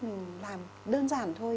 mình làm đơn giản thôi